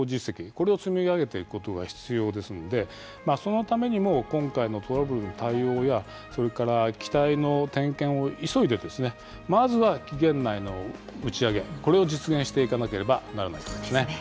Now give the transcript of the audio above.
これを積み上げていくことが必要ですので、そのためにも今回のトラブルの対応や機体の点検を急いでまずは期限内の打ち上げこれを実現していかなければならないと思いますね。